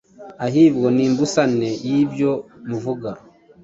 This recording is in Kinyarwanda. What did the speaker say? ahibwo ni imbusane y’ibyo muvuga,